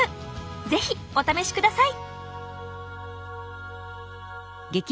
是非お試しください！